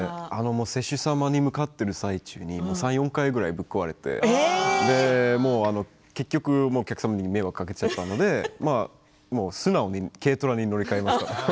施主様に向かっている最中に３、４回ぐらい壊れてお客様に迷惑をかけちゃったので素直に軽トラに乗り換えました。